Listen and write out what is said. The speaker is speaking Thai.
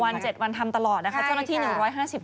๖วัน๗วันทำตลอดนะคะเจ้านาที๑๕๐หน้านี้